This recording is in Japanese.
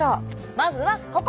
まずはここ！